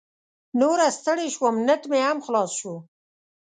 نوره ستړې شوم، نیټ مې هم خلاص شو.